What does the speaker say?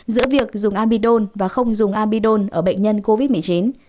giữa việc dùng abidol và không dùng abidol ở bệnh nhân covid một mươi chín